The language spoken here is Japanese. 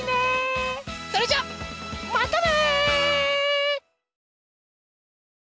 それじゃまたね！